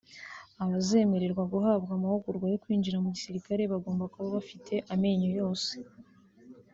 Abazemererwa guhabwa amahugurwa yo kwinjira mu gisirikare bagomba kuba bafite amenyo yose